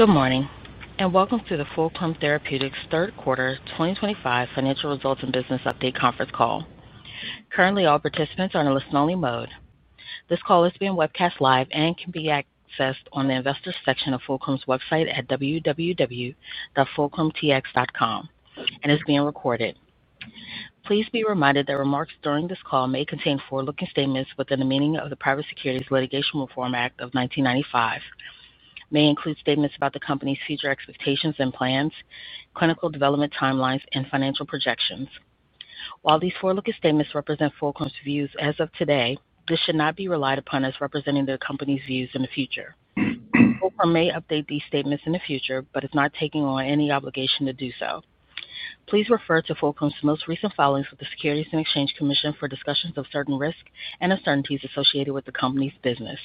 Good morning and welcome to the Fulcrum Therapeutics third quarter 2025 financial results and business update conference call. Currently, all participants are in a listen-only mode. This call is being webcast live and can be accessed on the Investor section of Fulcrum's website at www.fulcrumtx.com and is being recorded. Please be reminded that remarks during this call may contain forward-looking statements within the meaning of the Private Securities Litigation Reform Act of 1995. These may include statements about the company's future expectations and plans, clinical development timelines, and financial projections. While these forward-looking statements represent Fulcrum's views as of today, this should not be relied upon as representing the company's views in the future. Fulcrum may update these statements in the future but is not taking on any obligation to do so. Please refer to Fulcrum's most recent filings with the Securities and Exchange Commission for discussions of certain risks and uncertainties associated with the company's business.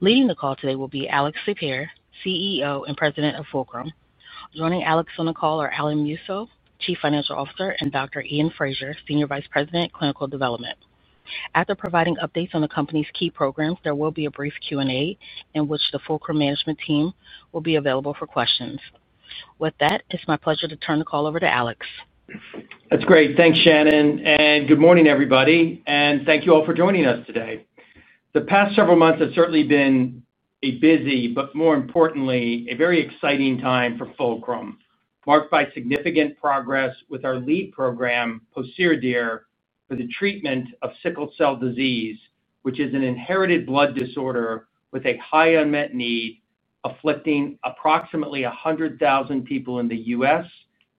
Leading the call today will be Alex Sapir, CEO and President of Fulcrum. Joining Alex on the call are Alan Musso, Chief Financial Officer, and Dr. Iain Fraser, Senior Vice President, Clinical Development. After providing updates on the company's key programs, there will be a brief Q&A in which the Fulcrum management team will be available for questions. With that, it's my pleasure to turn the call over to Alex. That's great. Thanks, Shannon, and good morning, everybody, and thank you all for joining us today. The past several months have certainly been a busy, but more importantly, a very exciting time for Fulcrum, marked by significant progress with our lead program, pociredir, for the treatment of sickle cell disease, which is an inherited blood disorder with a high unmet need afflicting approximately 100,000 people in the U.S.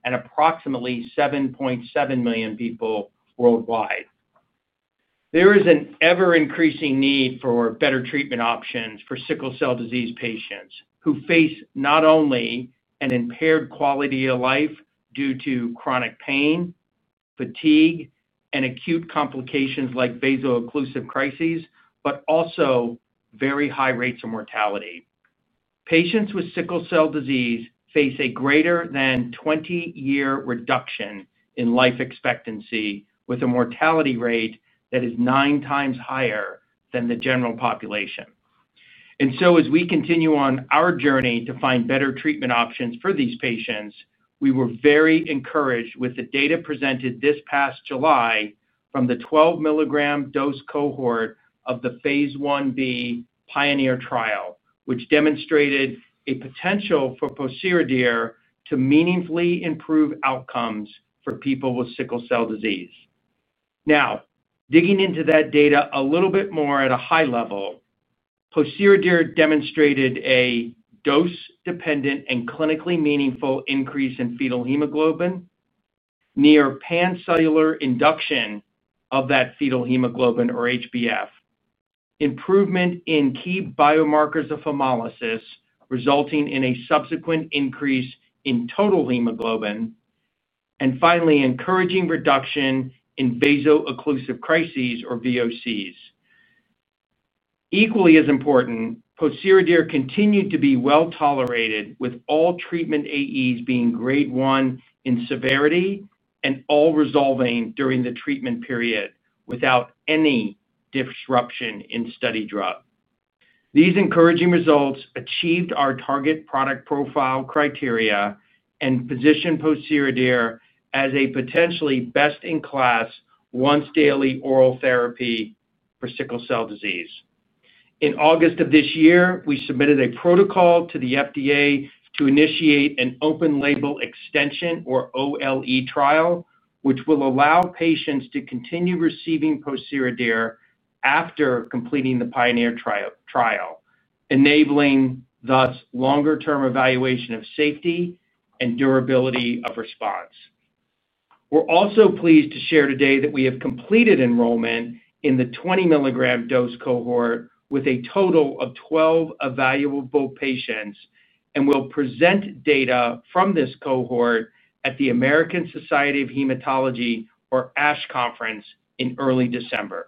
and approximately 7.7 million people worldwide. There is an ever-increasing need for better treatment options for sickle cell disease patients who face not only an impaired quality of life due to chronic pain, fatigue, and acute complications like vaso-occlusive crises, but also very high rates of mortality. Patients with sickle cell disease face a greater than 20-year reduction in life expectancy with a mortality rate that is nine times higher than the general population. As we continue on our journey to find better treatment options for these patients, we were very encouraged with the data presented this past July from the 12-milligram dose cohort of the Phase I-B PIONEER trial, which demonstrated a potential for pociredir to meaningfully improve outcomes for people with sickle cell disease. Now, digging into that data a little bit more at a high level, pociredir demonstrated a dose-dependent and clinically meaningful increase in fetal hemoglobin, near pan-cellular induction of that fetal hemoglobin or HbF, improvement in key biomarkers of hemolysis resulting in a subsequent increase in total hemoglobin, and finally, encouraging reduction in vaso-occlusive crises or VOCs. Equally as important, pociredir continued to be well tolerated with all treatment AEs being grade 1 in severity and all resolving during the treatment period without any disruption in study drug. These encouraging results achieved our target product profile criteria and positioned pociredir as a potentially best-in-class once-daily oral therapy for sickle cell disease. In August of this year, we submitted a protocol to the FDA to initiate an open-label extension or OLE trial, which will allow patients to continue receiving pociredir after completing the PIONEER trial, enabling thus longer-term evaluation of safety and durability of response. We're also pleased to share today that we have completed enrollment in the 20-milligram dose cohort with a total of 12 evaluable patients and will present data from this cohort at the American Society of Hematology, or ASH, conference in early December.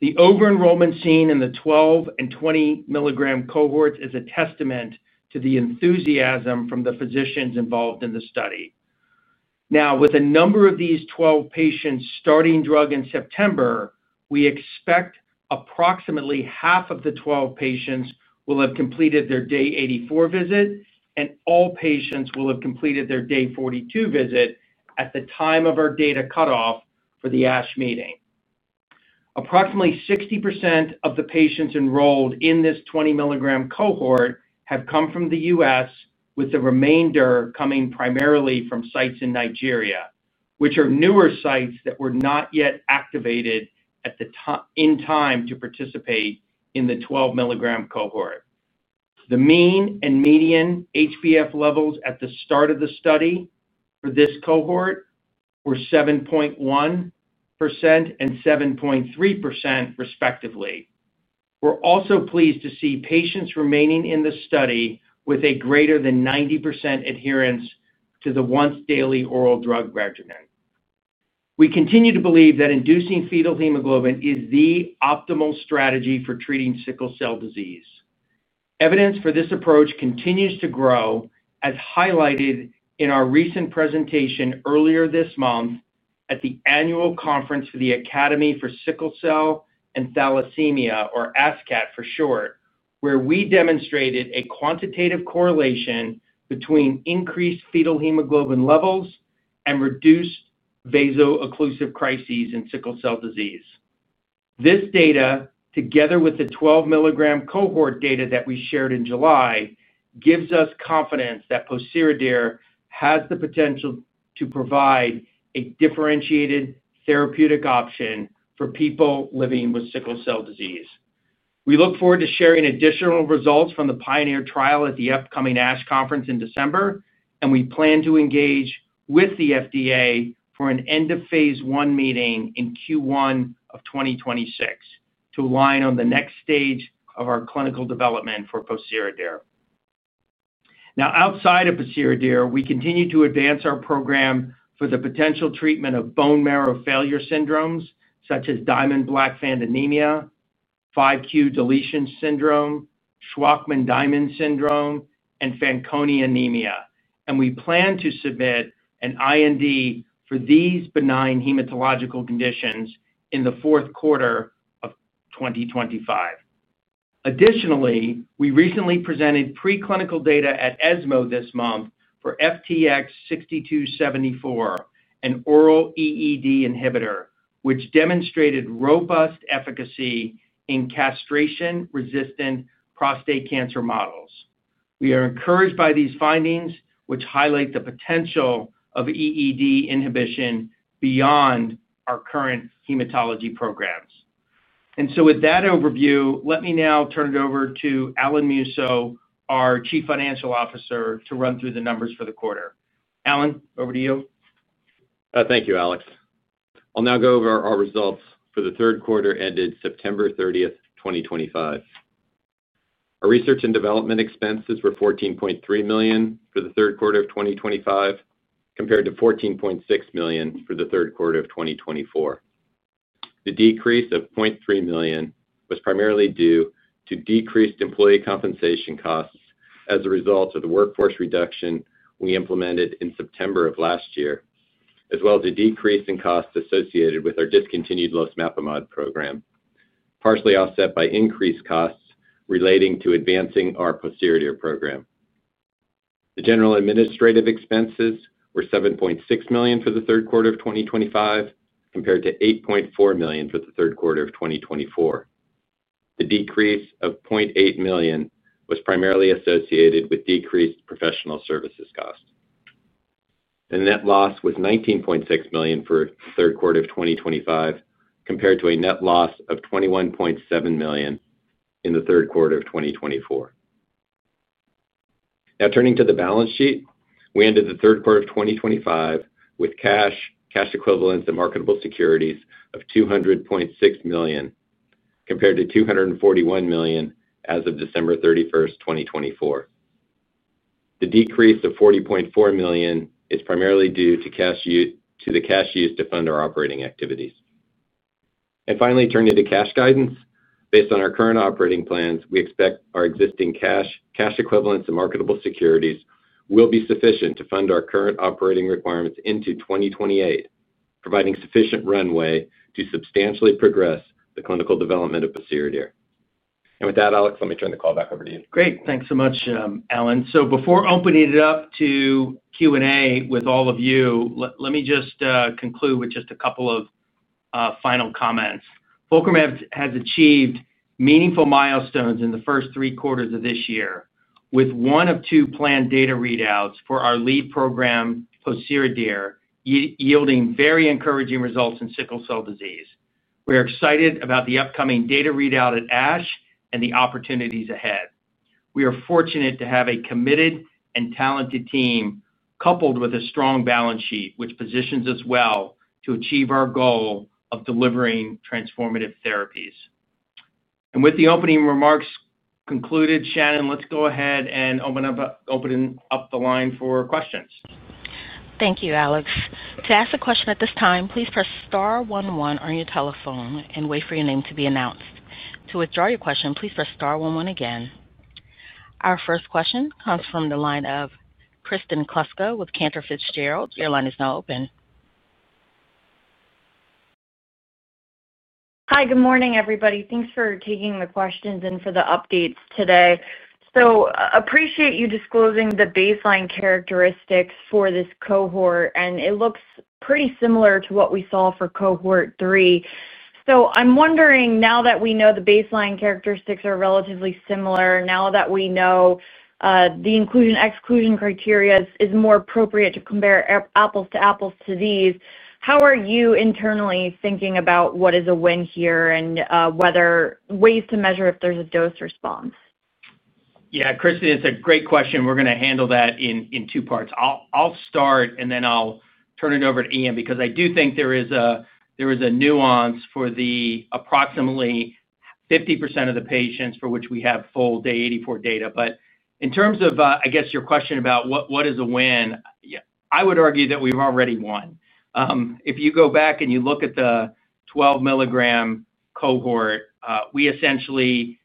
The over-enrollment seen in the 12-milligram and 20-milligram cohorts is a testament to the enthusiasm from the physicians involved in the study. Now, with a number of these 12 patients starting drug in September, we expect approximately half of the 12 patients will have completed their day 84 visit, and all patients will have completed their day 42 visit at the time of our data cutoff for the ASH meeting. Approximately 60% of the patients enrolled in this 20-milligram cohort have come from the U.S., with the remainder coming primarily from sites in Nigeria, which are newer sites that were not yet activated in time to participate in the 12-milligram cohort. The mean and median HbF levels at the start of the study for this cohort were 7.1% and 7.3%, respectively. We're also pleased to see patients remaining in the study with a greater than 90% adherence to the once-daily oral drug regimen. We continue to believe that inducing fetal hemoglobin is the optimal strategy for treating sickle cell disease. Evidence for this approach continues to grow, as highlighted in our recent presentation earlier this month at the annual conference for the Academy for Sickle Cell and Thalassemia, or ASCAT for short, where we demonstrated a quantitative correlation between increased fetal hemoglobin levels and reduced vaso-occlusive crises in sickle cell disease. This data, together with the 12-milligram cohort data that we shared in July, gives us confidence that pociredir has the potential to provide a differentiated therapeutic option for people living with sickle cell disease. We look forward to sharing additional results from the PIONEER trial at the upcoming ASH conference in December, and we plan to engage with the FDA for an end-of-Phase I meeting in Q1 of 2026 to align on the next stage of our clinical development for pociredir. Now, outside of pociredir, we continue to advance our program for the potential treatment of bone marrow failure syndromes such as Diamond-Blackfan anemia, 5q deletion syndrome, Shwachman-Diamond syndrome, and Fanconi anemia, and we plan to submit an IND for these benign hematological conditions in the fourth quarter of 2025. Additionally, we recently presented preclinical data at ESMO this month for FTX6274, an oral EED inhibitor, which demonstrated robust efficacy in castration-resistant prostate cancer models. We are encouraged by these findings, which highlight the potential of EED inhibition beyond our current hematology programs. With that overview, let me now turn it over to Alan Musso, our Chief Financial Officer, to run through the numbers for the quarter. Alan, over to you. Thank you, Alex. I'll now go over our results for the third quarter ended September 30th, 2025. Our research and development expenses were $14.3 million for the third quarter of 2025 compared to $14.6 million for the third quarter of 2024. The decrease of $0.3 million was primarily due to decreased employee compensation costs as a result of the workforce reduction we implemented in September of last year, as well as a decrease in costs associated with our discontinued losemepamide program, partially offset by increased costs relating to advancing our pociredir program. The general administrative expenses were $7.6 million for the third quarter of 2025 compared to $8.4 million for the third quarter of 2024. The decrease of $0.8 million was primarily associated with decreased professional services costs. The net loss was $19.6 million for the third quarter of 2025 compared to a net loss of $21.7 million in the third quarter of 2024. Now, turning to the balance sheet, we ended the third quarter of 2025 with cash, cash equivalents, and marketable securities of $200.6 million compared to $241 million as of December 31st, 2024. The decrease of $40.4 million is primarily due to the cash used to fund our operating activities. Finally, turning to cash guidance, based on our current operating plans, we expect our existing cash, cash equivalents, and marketable securities will be sufficient to fund our current operating requirements into 2028, providing sufficient runway to substantially progress the clinical development of pociredir. With that, Alex, let me turn the call back over to you. Great. Thanks so much, Alan. Before opening it up to Q&A with all of you, let me just conclude with just a couple of final comments. Fulcrum has achieved meaningful milestones in the first three quarters of this year, with one of two planned data readouts for our lead program, pociredir, yielding very encouraging results in sickle cell disease. We are excited about the upcoming data readout at ASH and the opportunities ahead. We are fortunate to have a committed and talented team coupled with a strong balance sheet, which positions us well to achieve our goal of delivering transformative therapies. With the opening remarks concluded, Shannon, let's go ahead and open up the line for questions. Thank you, Alex. To ask a question at this time, please press star one one on your telephone and wait for your name to be announced. To withdraw your question, please press star one one again. Our first question comes from the line of Kristen Kluska with Cantor Fitzgerald. Your line is now open. Hi, good morning, everybody. Thanks for taking the questions and for the updates today. I appreciate you disclosing the baseline characteristics for this cohort, and it looks pretty similar to what we saw for cohort three. I'm wondering, now that we know the baseline characteristics are relatively similar, now that we know the inclusion-exclusion criteria is more appropriate to compare apples to apples to these, how are you internally thinking about what is a win here and whether ways to measure if there's a dose response? Yeah, Kristen, it's a great question. We're going to handle that in two parts. I'll start, and then I'll turn it over to Iain because I do think there is a nuance for the approximately 50% of the patients for which we have full day 84 data. In terms of, I guess, your question about what is a win, I would argue that we've already won. If you go back and you look at the 12-milligram cohort, we essentially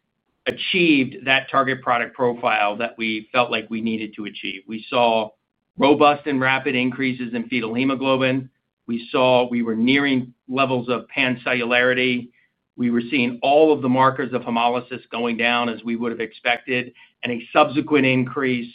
achieved that target product profile that we felt like we needed to achieve. We saw robust and rapid increases in fetal hemoglobin. We saw we were nearing levels of pan-cellularity. We were seeing all of the markers of hemolysis going down as we would have expected, and a subsequent increase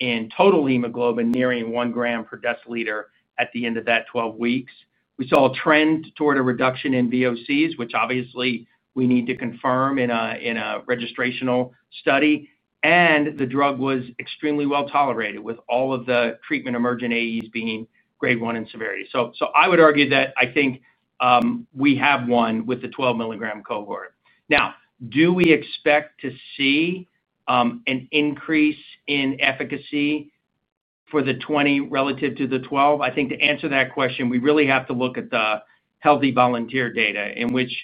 in total hemoglobin nearing one gram per deciliter at the end of that 12 weeks. We saw a trend toward a reduction in VOCs, which obviously we need to confirm in a registrational study, and the drug was extremely well tolerated with all of the treatment emergent AEs being grade 1 in severity. I would argue that I think we have won with the 12-milligram cohort. Now, do we expect to see an increase in efficacy for the 20 relative to the 12? I think to answer that question, we really have to look at the healthy volunteer data in which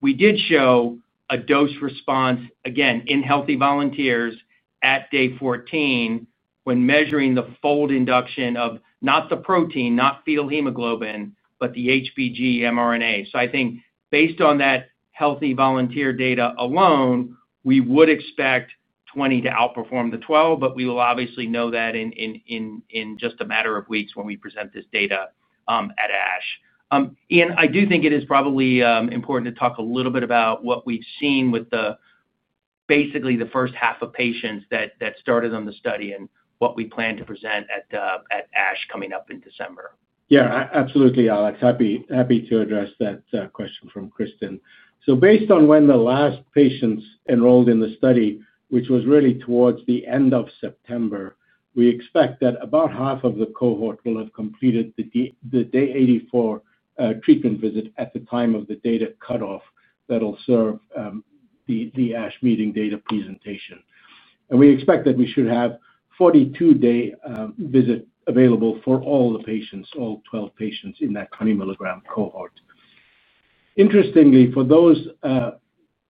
we did show a dose response, again, in healthy volunteers at day 14 when measuring the fold induction of not the protein, not fetal hemoglobin, but the HBG mRNA. I think based on that healthy volunteer data alone, we would expect 20 to outperform the 12, but we will obviously know that in just a matter of weeks when we present this data at ASH. Iain, I do think it is probably important to talk a little bit about what we've seen with basically the first half of patients that started on the study and what we plan to present at ASH coming up in December. Yeah, absolutely, Alex. Happy to address that question from Kristen. Based on when the last patients enrolled in the study, which was really towards the end of September, we expect that about half of the cohort will have completed the day 84 treatment visit at the time of the data cutoff that will serve the ASH meeting data presentation. We expect that we should have a 42-day visit available for all the patients, all 12 patients in that 20-milligram cohort. Interestingly, for those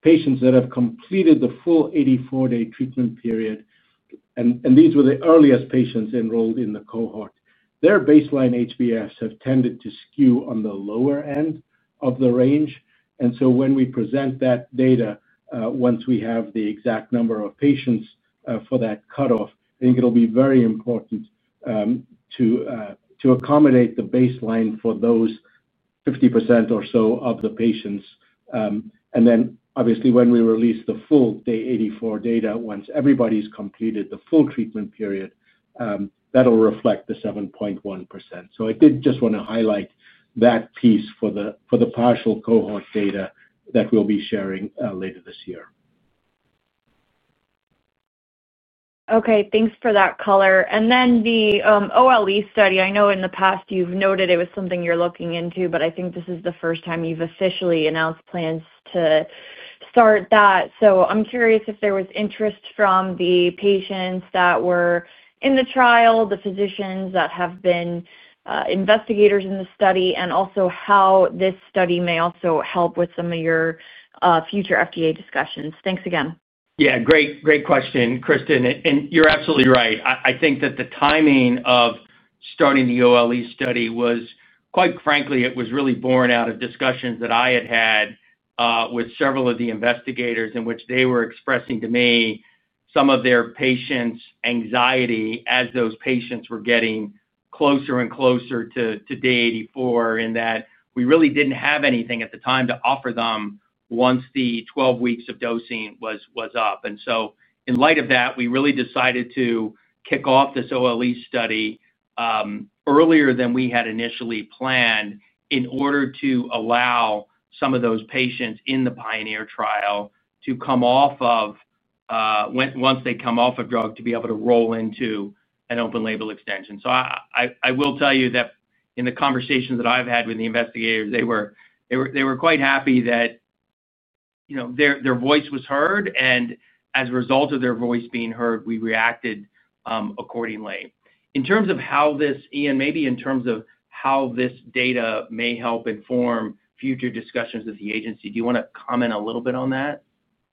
patients that have completed the full 84-day treatment period, and these were the earliest patients enrolled in the cohort, their baseline HbFs have tended to skew on the lower end of the range. When we present that data, once we have the exact number of patients for that cutoff, I think it'll be very important to accommodate the baseline for those 50% or so of the patients. Obviously, when we release the full day 84 data, once everybody's completed the full treatment period, that'll reflect the 7.1%. I did just want to highlight that piece for the partial cohort data that we'll be sharing later this year. Okay, thanks for that color. The OLE study, I know in the past you've noted it was something you're looking into, but I think this is the first time you've officially announced plans to start that. I'm curious if there was interest from the patients that were in the trial, the physicians that have been investigators in the study, and also how this study may also help with some of your future FDA discussions. Thanks again. Yeah, great question, Kristen. You're absolutely right. I think that the timing of starting the OLE study was, quite frankly, really born out of discussions that I had had with several of the investigators in which they were expressing to me some of their patients' anxiety as those patients were getting closer and closer to day 84 and that we really didn't have anything at the time to offer them once the 12 weeks of dosing was up. In light of that, we really decided to kick off this OLE study earlier than we had initially planned in order to allow some of those patients in the PIONEER trial, once they come off of drug, to be able to roll into an open-label extension. I will tell you that in the conversations that I've had with the investigators, they were quite happy that their voice was heard, and as a result of their voice being heard, we reacted accordingly. In terms of how this, Iain, maybe in terms of how this data may help inform future discussions with the agency, do you want to comment a little bit on that?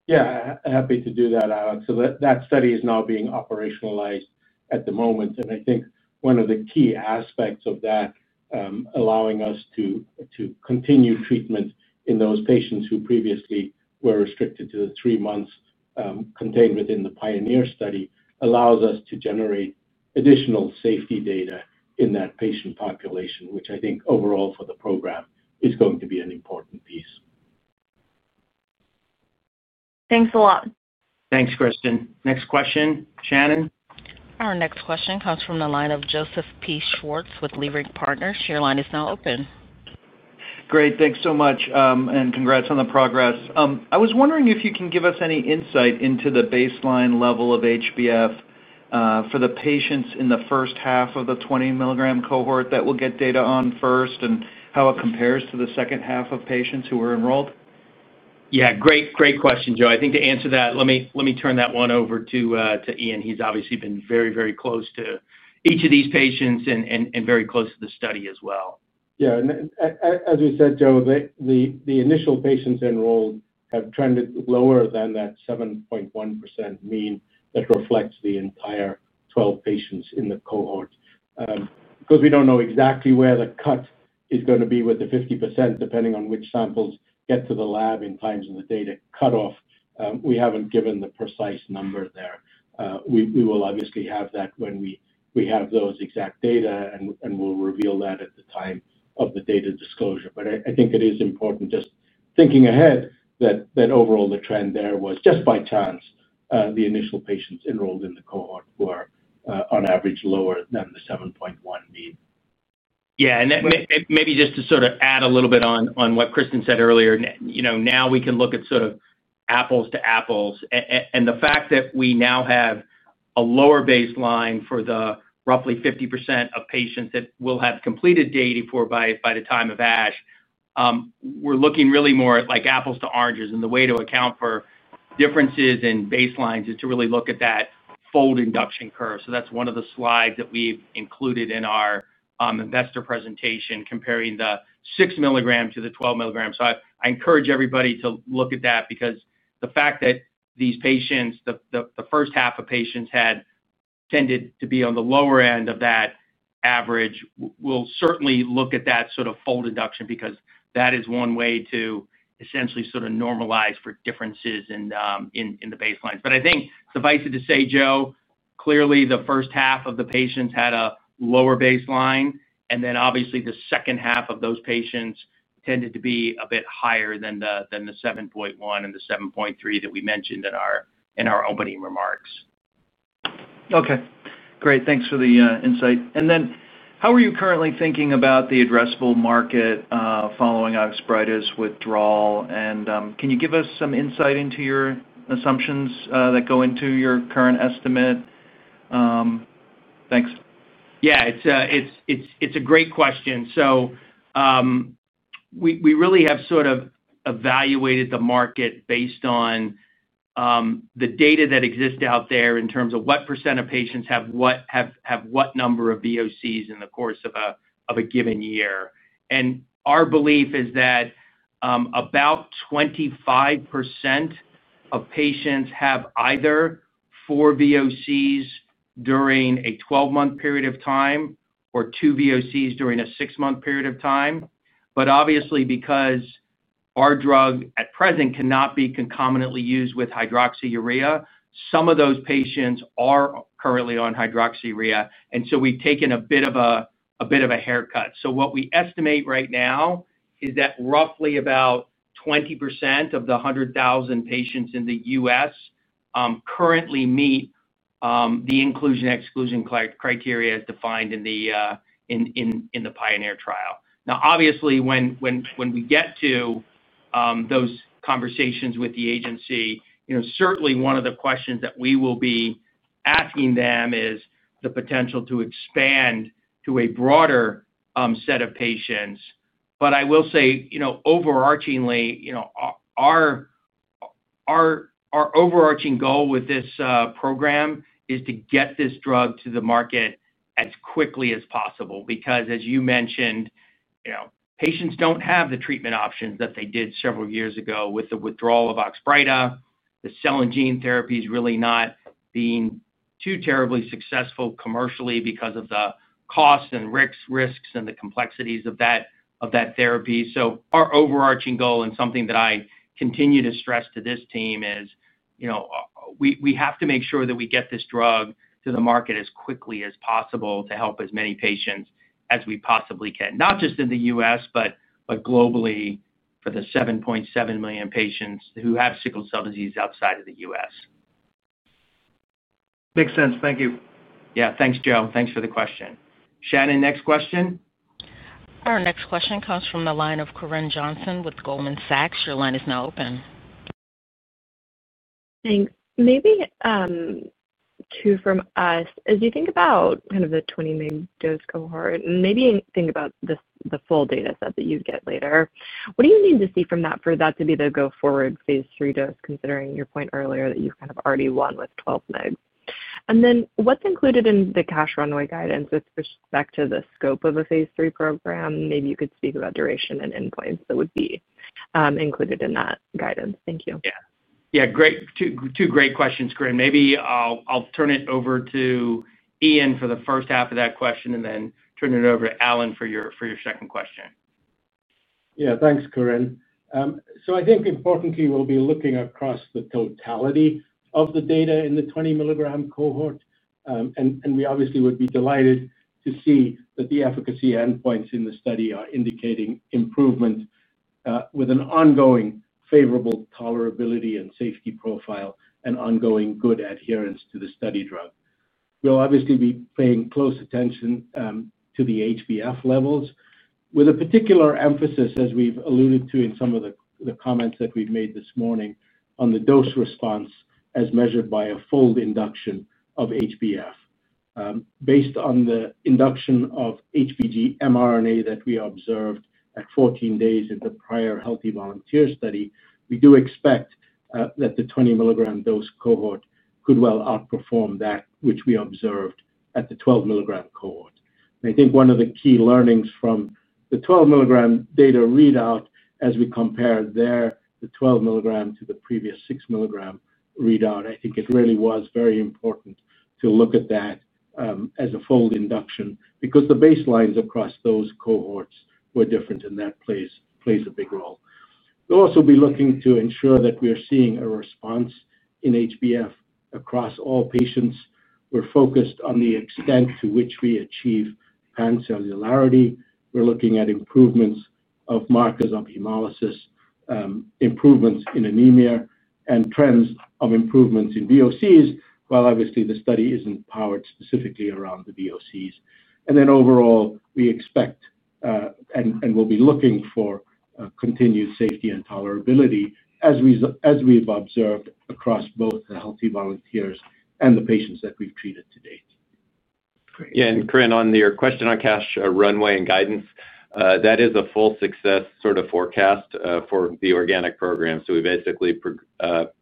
Yeah, happy to do that, Alex. That study is now being operationalized at the moment, and I think one of the key aspects of that allowing us to continue treatment in those patients who previously were restricted to the three months contained within the PIONEER study allows us to generate additional safety data in that patient population, which I think overall for the program is going to be an important piece. Thanks a lot. Thanks, Kristen. Next question, Shannon. Our next question comes from the line of Joseph P. Schwartz with Leerink Partners. Your line is now open. Great, thanks so much, and congrats on the progress. I was wondering if you can give us any insight into the baseline level of HbF for the patients in the first half of the 20 mg cohort that we'll get data on first and how it compares to the second half of patients who were enrolled? Yeah, great question, Joe. I think to answer that, let me turn that one over to Iain. He's obviously been very, very close to each of these patients and very close to the study as well. Yeah, as we said, Joe, the initial patients enrolled have trended lower than that 7.1% mean that reflects the entire 12 patients in the cohort. Because we don't know exactly where the cut is going to be with the 50%, depending on which samples get to the lab in time for the data cutoff, we haven't given the precise number there. We will obviously have that when we have those exact data, and we'll reveal that at the time of the data disclosure. I think it is important, just thinking ahead, that overall the trend there was just by chance the initial patients enrolled in the cohort were on average lower than the 7.1% mean. Yeah, and maybe just to sort of add a little bit on what Kristen said earlier, you know now we can look at sort of apples to apples, and the fact that we now have a lower baseline for the roughly 50% of patients that will have completed day 84 by the time of ASH, we're looking really more at like apples to oranges, and the way to account for differences in baselines is to really look at that fold induction curve. That is one of the slides that we've included in our investor presentation comparing the 6-milligram to the 12-milligram. I encourage everybody to look at that because the fact that these patients, the first half of patients, tended to be on the lower end of that average, we'll certainly look at that sort of fold induction because that is one way to essentially sort of normalize for differences in the baselines. I think suffice it to say, Joe, clearly the first half of the patients had a lower baseline, and then obviously the second half of those patients tended to be a bit higher than the 7.1% and the 7.3% that we mentioned in our opening remarks. Okay, great. Thanks for the insight. How are you currently thinking about the addressable market following Oxbryta's withdrawal, and can you give us some insight into your assumptions that go into your current estimate? Thanks. Yeah, it's a great question. We really have sort of evaluated the market based on the data that exists out there in terms of what per cent of patients have what number of VOCs in the course of a given year. Our belief is that about 25% of patients have either four VOCs during a 12-month period of time or two VOCs during a six-month period of time. Obviously, because our drug at present cannot be concomitantly used with hydroxyurea, some of those patients are currently on hydroxyurea, and we've taken a bit of a haircut. What we estimate right now is that roughly about 20% of the 100,000 patients in the U.S. currently meet the inclusion-exclusion criteria as defined in the PIONEER trial. Obviously, when we get to those conversations with the agency, certainly one of the questions that we will be asking them is the potential to expand to a broader set of patients. I will say, overarchingly, our overarching goal with this program is to get this drug to the market as quickly as possible because, as you mentioned, patients don't have the treatment options that they did several years ago with the withdrawal of Oxbryta. The cell and gene therapy is really not being too terribly successful commercially because of the costs and risks and the complexities of that therapy. Our overarching goal and something that I continue to stress to this team is, we have to make sure that we get this drug to the market as quickly as possible to help as many patients as we possibly can, not just in the U.S., but globally for the 7.7 million patients who have sickle cell disease outside of the U.S. Makes sense. Thank you. Yeah, thanks, Joe. Thanks for the question. Shannon, next question. Our next question comes from the line of Corinne Johnson with Goldman Sachs. Your line is now open. Thanks. Maybe two from us. As you think about kind of the 20 mg dose cohort, and maybe think about the full data set that you get later, what do you need to see from that for that to be the go-forward Phase III dose, considering your point earlier that you've kind of already won with 12 mg? What's included in the cash runway guidance with respect to the scope of a Phase III program? Maybe you could speak about duration and endpoints that would be included in that guidance. Thank you. Yeah, great. Two great questions, Corinne. Maybe I'll turn it over to Iain for the first half of that question and then turn it over to Alan for your second question. Yeah, thanks, Corinne. I think importantly, we'll be looking across the totality of the data in the 20 mg cohort, and we obviously would be delighted to see that the efficacy endpoints in the study are indicating improvement with an ongoing favorable tolerability and safety profile and ongoing good adherence to the study drug. We'll obviously be paying close attention to the HbF levels with a particular emphasis, as we've alluded to in some of the comments that we've made this morning, on the dose response as measured by a fold induction of HbF. Based on the induction of HBG mRNA that we observed at 14 days in the prior healthy volunteer study, we do expect that the 20 mg dose cohort could well outperform that which we observed at the 12 mg cohort. I think one of the key learnings from the 12 mg data readout, as we compare the 12 mg to the previous 6 mg readout, it really was very important to look at that as a fold induction because the baselines across those cohorts were different, and that plays a big role. We'll also be looking to ensure that we are seeing a response in HbF across all patients. We're focused on the extent to which we achieve pan-cellularity. We're looking at improvements of markers of hemolysis, improvements in anemia, and trends of improvements in VOCs, while obviously the study isn't powered specifically around the VOCs. Overall, we expect and will be looking for continued safety and tolerability as we've observed across both the healthy volunteers and the patients that we've treated to date. Yeah, and Corinne, on your question on cash runway and guidance, that is a full success sort of forecast for the organic program. We basically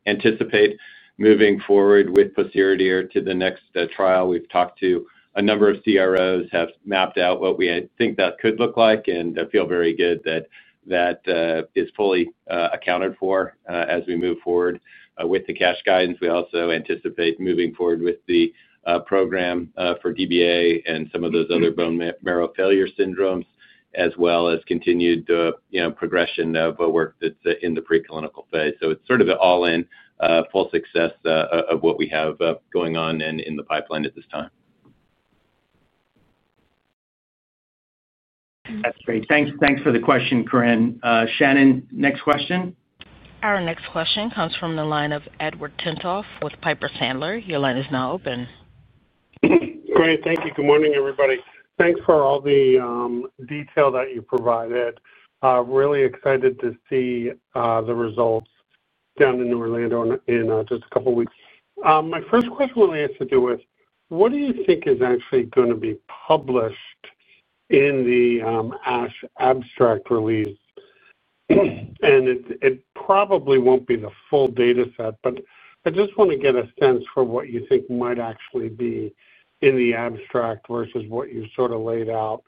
anticipate moving forward with pociredir to the next trial. We've talked to a number of CROs who have mapped out what we think that could look like and feel very good that that is fully accounted for as we move forward with the cash guidance. We also anticipate moving forward with the program for DBA and some of those other bone marrow failure syndromes, as well as continued progression of work that's in the preclinical phase. It's sort of an all-in, full success of what we have going on in the pipeline at this time. That's great. Thanks for the question, Corinne. Shannon, next question. Our next question comes from the line of Edward Tenthoff with Piper Sandler. Your line is now open. Great, thank you. Good morning, everybody. Thanks for all the detail that you provided. Really excited to see the results down in New Orleans in just a couple of weeks. My first question really has to do with what do you think is actually going to be published in the ASH abstract release? It probably won't be the full data set, but I just want to get a sense for what you think might actually be in the abstract versus what you've sort of laid out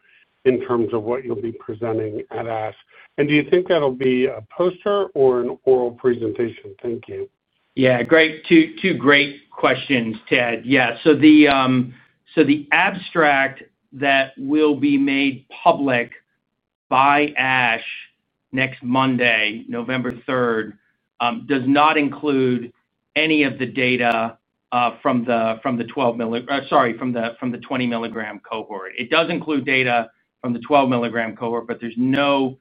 in terms of what you'll be presenting at ASH. Do you think that'll be a poster or an oral presentation? Thank you. Yeah, great. Two great questions, Ted. The abstract that will be made public by ASH next Monday, November 3rd, does not include any of the data from the 20-milligram cohort. It does include data from the 12-milligram cohort, but there's no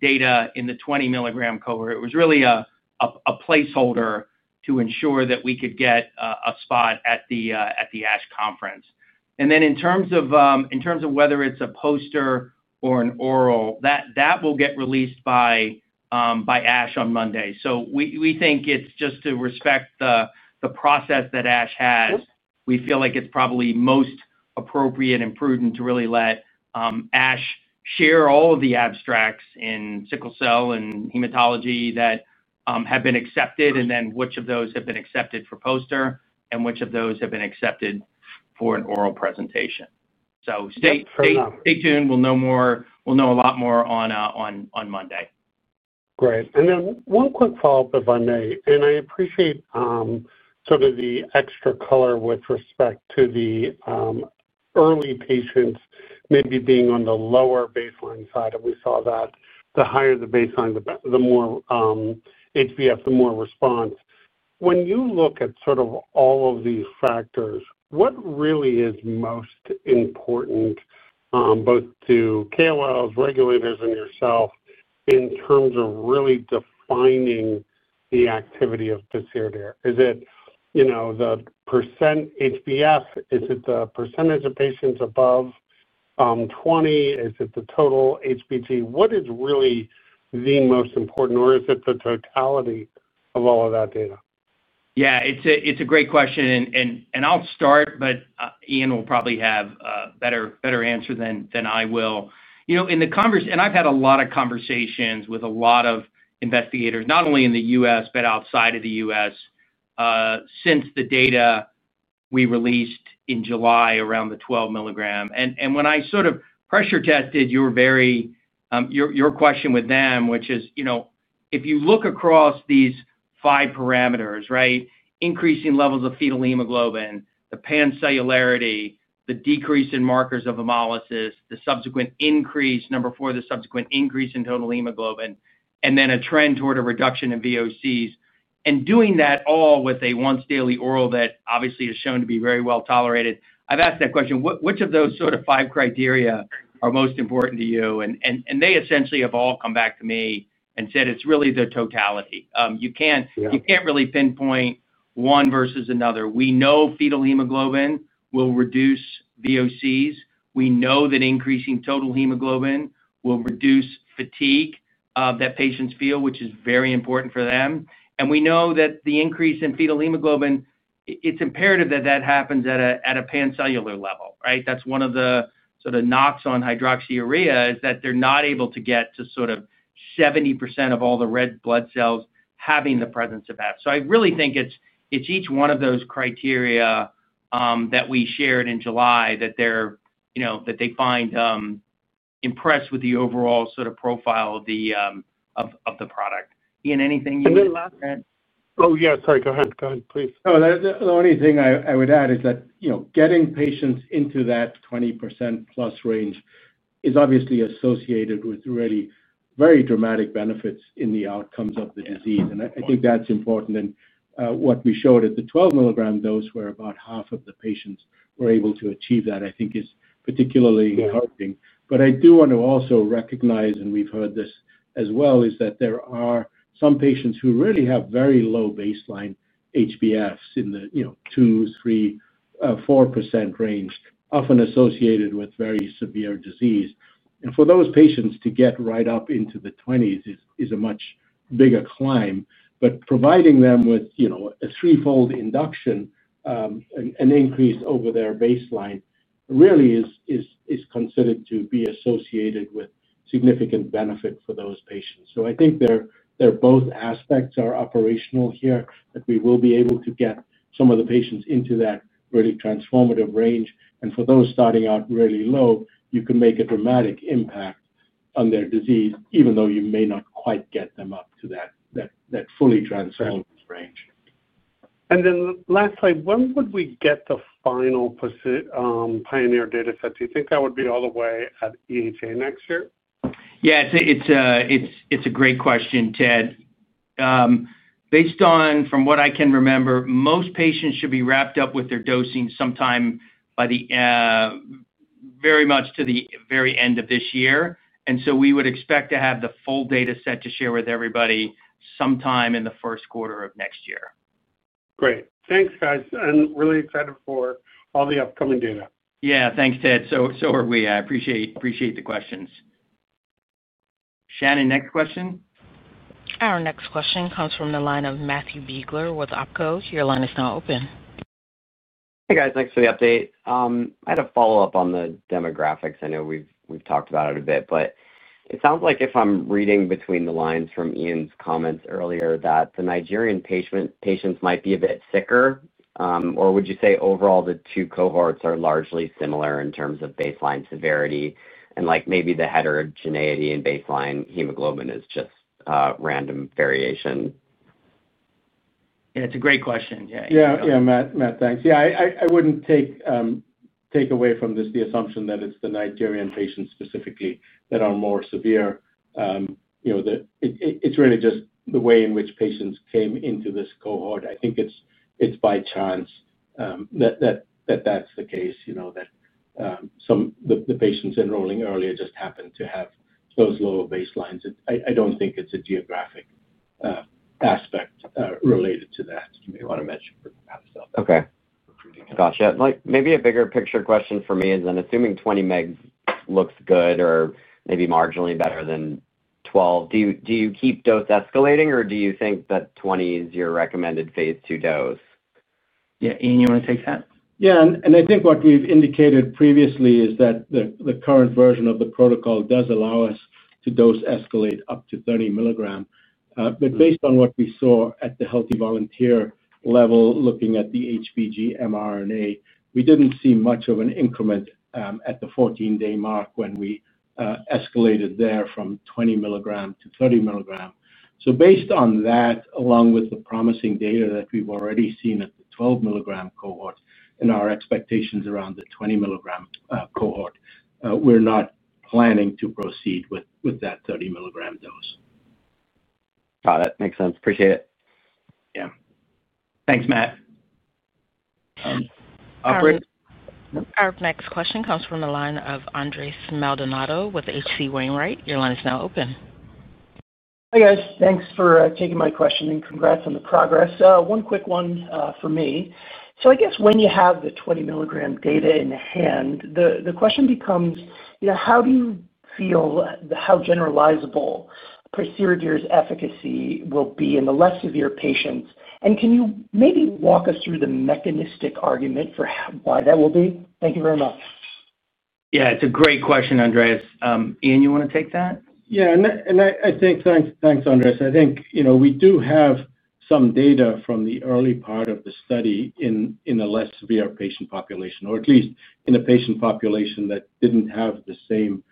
data in the 20-milligram cohort. It was really a placeholder to ensure that we could get a spot at the ASH conference. In terms of whether it's a poster or an oral, that will get released by ASH on Monday. We think it's just to respect the process that ASH has, we feel like it's probably most appropriate and prudent to really let ASH share all of the abstracts in sickle cell and hematology that have been accepted and then which of those have been accepted for poster and which of those have been accepted for an oral presentation. Stay tuned. We'll know a lot more on Monday. Great. One quick follow-up, if I may, and I appreciate the extra color with respect to the early patients maybe being on the lower baseline side, and we saw that the higher the baseline, the more HbF, the more response. When you look at all of these factors, what really is most important, both to KOLs, regulators, and yourself, in terms of really defining the activity of pociredir? Is it the per cent HbF? Is it the percentage of patients above 20%? Is it the total HBG? What is really the most important, or is it the totality of all of that data? Yeah, it's a great question, and I'll start, but Iain will probably have a better answer than I will. I've had a lot of conversations with a lot of investigators, not only in the U.S. but outside of the U.S., since the data we released in July around the 12-milligram. When I sort of pressure-tested your question with them, which is, if you look across these five parameters, right, increasing levels of fetal hemoglobin, the pan-cellularity, the decrease in markers of hemolysis, number four, the subsequent increase in total hemoglobin, and then a trend toward a reduction in VOCs, and doing that all with a once-daily oral that obviously is shown to be very well tolerated, I've asked that question, which of those five criteria are most important to you? They essentially have all come back to me and said it's really the totality. You can't really pinpoint one versus another. We know fetal hemoglobin will reduce VOCs. We know that increasing total hemoglobin will reduce fatigue that patients feel, which is very important for them. We know that the increase in fetal hemoglobin, it's imperative that that happens at a pan-cellular level, right? That's one of the knocks on hydroxyurea, is that they're not able to get to 70% of all the red blood cells having the presence of HbF. I really think it's each one of those criteria that we shared in July that they find impressive with the overall profile of the product. Iain, anything you'd like to add? Oh, yeah, sorry, go ahead. Go ahead, please. No, the only thing I would add is that getting patients into that 20%+ range is obviously associated with really very dramatic benefits in the outcomes of the disease, and I think that's important. What we showed at the 12 mg dose, where about half of the patients were able to achieve that, I think is particularly encouraging. I do want to also recognize, and we've heard this as well, that there are some patients who really have very low baseline HbFs in the 2%, 3%, 4% range, often associated with very severe disease. For those patients to get right up into the 20s is a much bigger climb. Providing them with a threefold induction, an increase over their baseline, really is considered to be associated with significant benefit for those patients. I think both aspects are operational here, that we will be able to get some of the patients into that really transformative range. For those starting out really low, you can make a dramatic impact on their disease, even though you may not quite get them up to that fully transformative range. Lastly, when would we get the final PIONEER data set? Do you think that would be all the way at EHA next year? Yeah, it's a great question, Ted. Based on, from what I can remember, most patients should be wrapped up with their dosing sometime very much to the very end of this year. We would expect to have the full data set to share with everybody sometime in the first quarter of next year. Great. Thanks, guys, and really excited for all the upcoming data. Yeah, thanks, Ted. We appreciate the questions. Shannon, next question? Our next question comes from the line of Matthew Biegler with OppCo. Your line is now open. Hey, guys, thanks for the update. I had a follow-up on the demographics. I know we've talked about it a bit, but it sounds like, if I'm reading between the lines from Iain's comments earlier, that the Nigerian patients might be a bit sicker, or would you say overall the two cohorts are largely similar in terms of baseline severity, and like maybe the heterogeneity in baseline hemoglobin is just random variation? Yeah, it's a great question. Yeah, Matt, thanks. I wouldn't take away from this the assumption that it's the Nigerian patients specifically that are more severe. It's really just the way in which patients came into this cohort. I think it's by chance that that's the case, that some of the patients enrolling earlier just happened to have those lower baselines. I don't think it's a geographic aspect related to that. Maybe a bigger picture question for me is, and assuming 20 mg looks good or maybe marginally better than 12, do you keep dose escalating, or do you think that 20 is your recommended Phase II dose? Yeah, Iain, you want to take that? Yeah, I think what we've indicated previously is that the current version of the protocol does allow us to dose escalate up to 30 milligrams. Based on what we saw at the healthy volunteer level, looking at the HBG mRNA, we didn't see much of an increment at the 14-day mark when we escalated there from 20 milligrams to 30 milligrams. Based on that, along with the promising data that we've already seen at the 12-milligram cohort and our expectations around the 20-milligram cohort, we're not planning to proceed with that 30-milligram dose. Got it. Makes sense. Appreciate it. Yeah, thanks, Matt. Our next question comes from the line of Andres Maldonado with HC Wainwright. Your line is now open. Hi, guys, thanks for taking my question and congrats on the progress. One quick one for me. I guess when you have the 20-milligram data in hand, the question becomes, you know, how do you feel how generalizable pociredir's efficacy will be in the less severe patients? Can you maybe walk us through the mechanistic argument for why that will be? Thank you very much. Yeah, it's a great question, Andres. Iain, you want to take that? Yeah, and I think, thanks, Andres. I think, you know, we do have some data from the early part of the study in the less severe patient population, or at least in the patient population that didn't have the same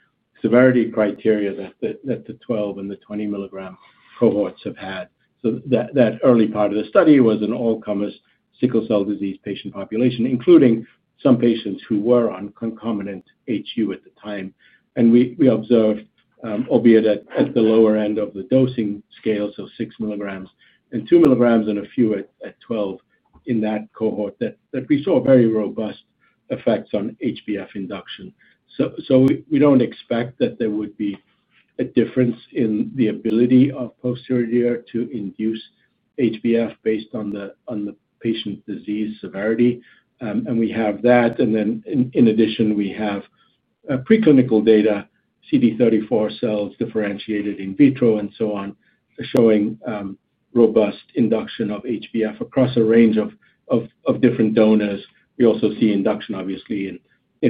severity criteria that the 12 and the 20-milligram cohorts have had. That early part of the study was an all-comers, sickle cell disease patient population, including some patients who were on concomitant HU at the time. We observed, albeit at the lower end of the dosing scale, so 6 milligrams and 2 milligrams and a few at 12 in that cohort, that we saw very robust effects on HbF induction. We don't expect that there would be a difference in the ability of pociredir to induce HbF based on the patient disease severity. We have that, and then in addition, we have preclinical data, CD34 cells differentiated in vitro and so on, showing robust induction of HbF across a range of different donors. We also see induction, obviously, in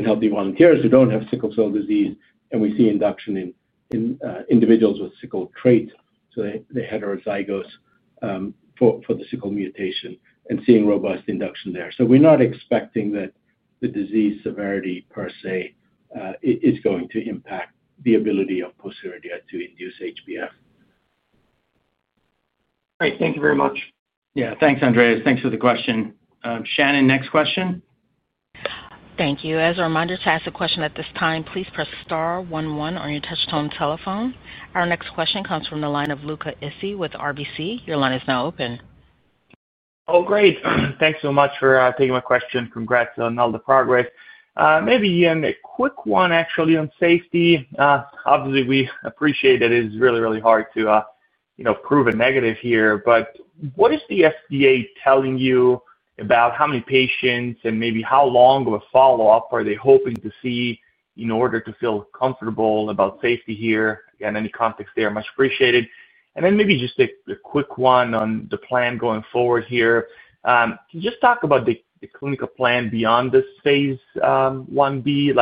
healthy volunteers who don't have sickle cell disease, and we see induction in individuals with sickle traits, so the heterozygous for the sickle mutation, and seeing robust induction there. We're not expecting that the disease severity per se is going to impact the ability of pociredir to induce HbF. Great, thank you very much. Yeah, thanks, Andres. Thanks for the question. Shannon, next question. Thank you. As a reminder, to ask a question at this time, please press star one one on your touch-tone telephone. Our next question comes from the line of Luca Issi with RBC. Your line is now open. Oh, great. Thanks so much for taking my question. Congrats on all the progress. Maybe, Iain, a quick one actually on safety. Obviously, we appreciate that it is really, really hard to prove a negative here, but what is the FDA telling you about how many patients and maybe how long of a follow-up are they hoping to see in order to feel comfortable about safety here? Again, any context there much appreciated. Maybe just a quick one on the plan going forward here. Can you just talk about the clinical plan beyond this Phase I-B?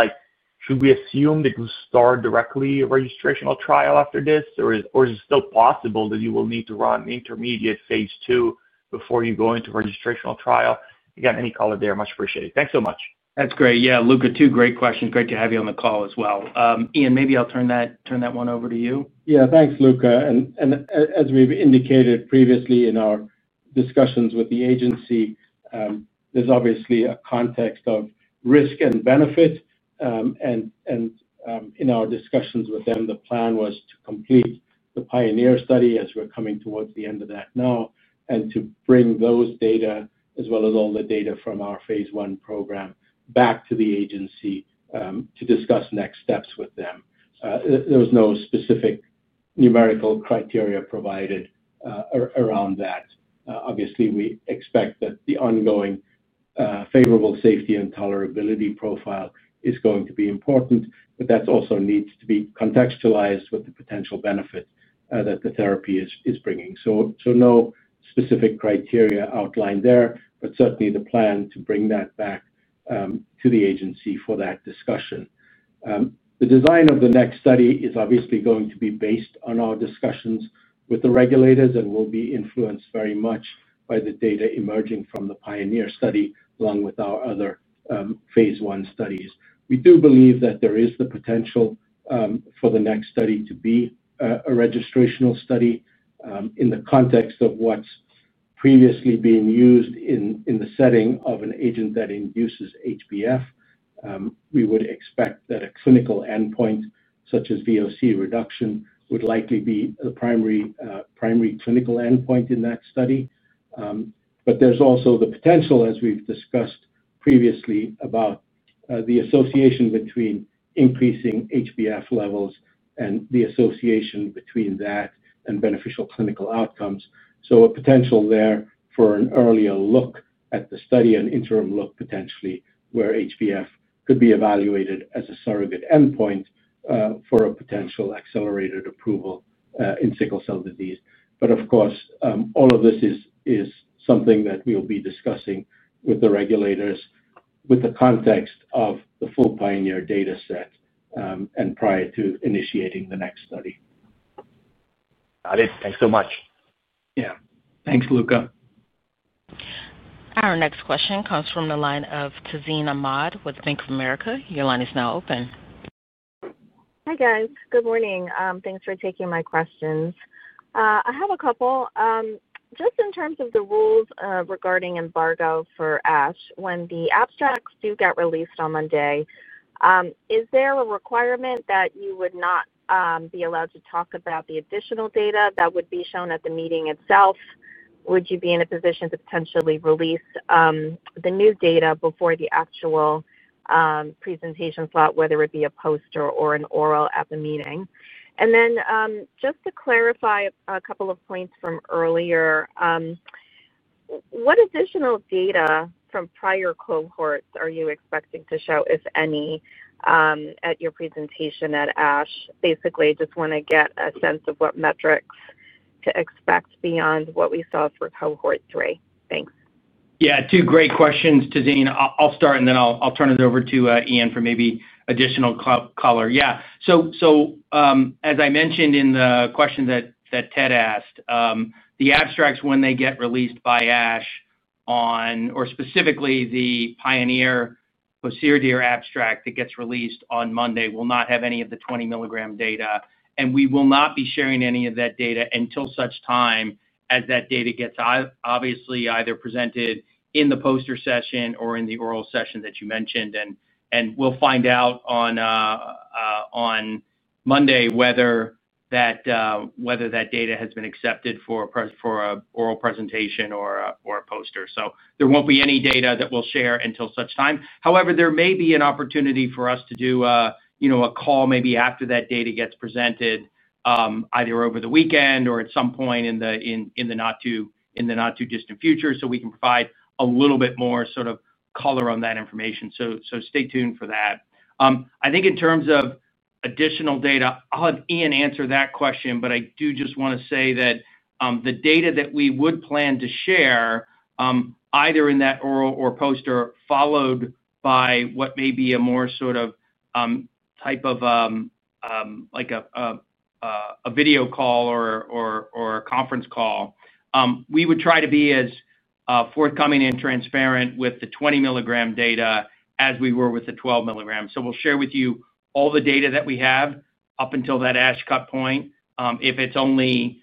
Should we assume that you start directly a registrational trial after this, or is it still possible that you will need to run intermediate Phase II before you go into registrational trial? Any color there much appreciated. Thanks so much. That's great. Yeah, Luca, two great questions. Great to have you on the call as well. Iain, maybe I'll turn that one over to you. Yeah, thanks, Luca. As we've indicated previously in our discussions with the agency, there's obviously a context of risk and benefit. In our discussions with them, the plan was to complete the PIONEER study, as we're coming towards the end of that now, and to bring those data, as well as all the data from our Phase I program, back to the agency to discuss next steps with them. There's no specific numerical criteria provided around that. We expect that the ongoing favorable safety and tolerability profile is going to be important, but that also needs to be contextualized with the potential benefit that the therapy is bringing. No specific criteria outlined there, but certainly the plan to bring that back to the agency for that discussion. The design of the next study is obviously going to be based on our discussions with the regulators and will be influenced very much by the data emerging from the PIONEER study, along with our other Phase I studies. We do believe that there is the potential for the next study to be a registrational study in the context of what's previously being used in the setting of an agent that induces HbF. We would expect that a clinical endpoint, such as VOC reduction, would likely be the primary clinical endpoint in that study. There's also the potential, as we've discussed previously, about the association between increasing HbF levels and the association between that and beneficial clinical outcomes. A potential there for an earlier look at the study, an interim look potentially, where HbF could be evaluated as a surrogate endpoint for a potential accelerated approval in sickle cell disease. Of course, all of this is something that we'll be discussing with the regulators with the context of the full PIONEER data set and prior to initiating the next study. Got it. Thanks so much. Yeah, thanks, Luca. Our next question comes from the line of Tazeen Ahmad with Bank of America. Your line is now open. Hi, guys. Good morning. Thanks for taking my questions. I have a couple. Just in terms of the rules regarding embargo for ASH, when the abstracts do get released on Monday, is there a requirement that you would not be allowed to talk about the additional data that would be shown at the meeting itself? Would you be in a position to potentially release the new data before the actual presentation slot, whether it be a poster or an oral at the meeting? Just to clarify a couple of points from earlier, what additional data from prior cohorts are you expecting to show, if any, at your presentation at ASH? Basically, I just want to get a sense of what metrics to expect beyond what we saw for cohort three. Thanks. Yeah, two great questions, Tazeen. I'll start, and then I'll turn it over to Iain for maybe additional color. As I mentioned in the question that Ted asked, the abstracts, when they get released by ASH, or specifically the PIONEER pociredir abstract that gets released on Monday, will not have any of the 20-milligram data, and we will not be sharing any of that data until such time as that data gets obviously either presented in the poster session or in the oral session that you mentioned. We'll find out on Monday whether that data has been accepted for an oral presentation or a poster. There won't be any data that we'll share until such time. However, there may be an opportunity for us to do a call maybe after that data gets presented, either over the weekend or at some point in the not-too-distant future, so we can provide a little bit more sort of color on that information. Stay tuned for that. I think in terms of additional data, I'll have Iain answer that question, but I do just want to say that the data that we would plan to share, either in that oral or poster, followed by what may be a more sort of type of a video call or a conference call, we would try to be as forthcoming and transparent with the 20-milligram data as we were with the 12-milligram. We'll share with you all the data that we have up until that ASH cut point. If it's only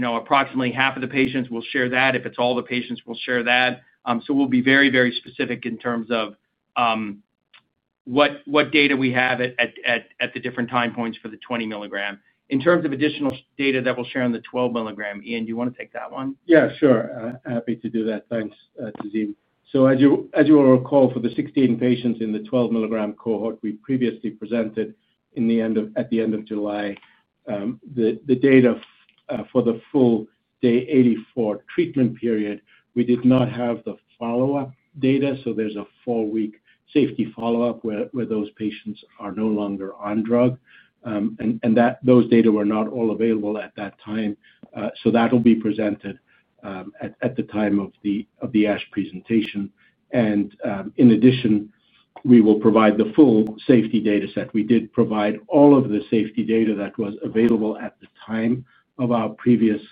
approximately half of the patients, we'll share that. If it's all the patients, we'll share that. We'll be very, very specific in terms of what data we have at the different time points for the 20-milligram. In terms of additional data that we'll share on the 12-milligram, Iain, do you want to take that one? Yeah, sure. Happy to do that. Thanks, Tazeen. As you will recall, for the 16 patients in the 12-milligram cohort we previously presented at the end of July, the data for the full day 84 treatment period, we did not have the follow-up data. There is a four-week safety follow-up where those patients are no longer on drug, and those data were not all available at that time. That will be presented at the time of the ASH presentation. In addition, we will provide the full safety data set. We did provide all of the safety data that was available at the time of our previous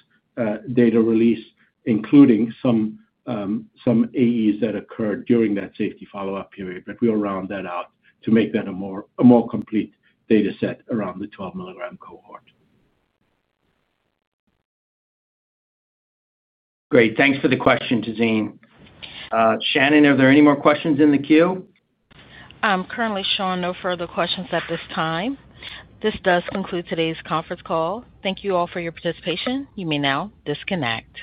data release, including some AEs that occurred during that safety follow-up period. We will round that out to make that a more complete data set around the 12-milligram cohort. Great, thanks for the question, Tazeen. Shannon, are there any more questions in the queue? Currently, showing, no further questions at this time. This does conclude today's conference call. Thank you all for your participation. You may now disconnect.